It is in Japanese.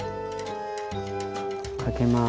かけます。